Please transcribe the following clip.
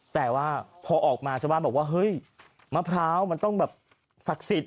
แต่ว่าพอออกมาชาวบ้านบอกว่าเฮ้ยมะพร้าวมันต้องแบบศักดิ์สิทธิ